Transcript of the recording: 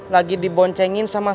lagi diboncengin sama pak sopian